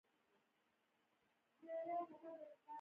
دوی به یوه خبره په اتفاق تصدیق کړي.